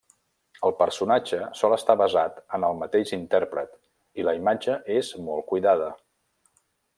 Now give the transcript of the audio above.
El personatge sol estar basat en el mateix intèrpret i la imatge és molt cuidada.